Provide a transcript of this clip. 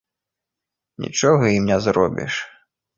Нічога ім не зробіш.